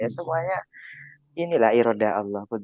semuanya inilah irodah allah